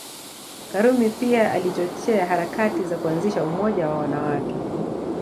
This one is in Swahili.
Karume pia alichochea harakati za kuanzisha umoja wa wanawake